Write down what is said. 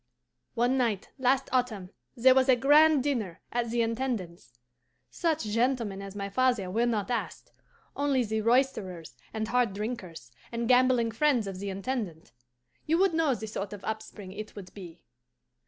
"One night last autumn there was a grand dinner at the Intendance. Such gentlemen as my father were not asked; only the roisterers and hard drinkers, and gambling friends of the Intendant. You would know the sort of upspring it would be.